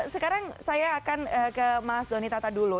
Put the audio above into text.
sekarang saya akan ke mas doni tata dulu